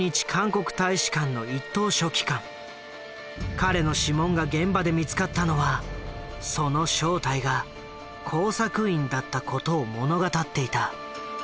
彼の指紋が現場で見つかったのはその正体が工作員だったことを物語っていた。